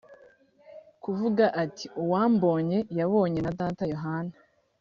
kuvuga ati uwambonye yabonye na data yohana